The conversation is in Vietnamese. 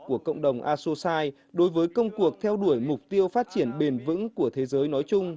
của cộng đồng asosai đối với công cuộc theo đuổi mục tiêu phát triển bền vững của thế giới nói chung